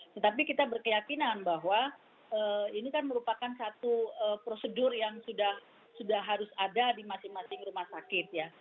tetapi kita berkeyakinan bahwa ini kan merupakan satu prosedur yang sudah harus ada di masing masing rumah sakit ya